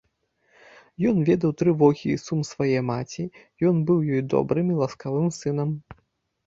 Ён ведаў трывогі і сум свае маці, ён быў ёй добрым і ласкавым сынам.